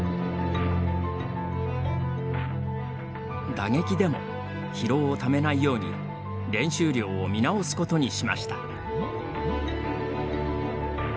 打撃でも疲労をためないように練習量を見直すことにしました。